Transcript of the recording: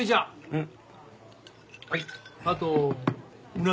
うん。